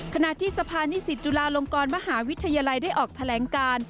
ขณะที่สะพานนิสิตจุฬาลงกรมหาวิทยาลัยได้ออกแถลงการ